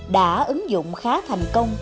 đã ứng dụng khá thành công